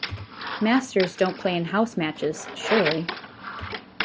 Masters don't play in house matches, surely?